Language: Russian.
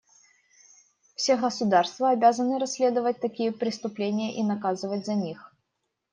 Все государства обязаны расследовать такие преступления и наказывать за них.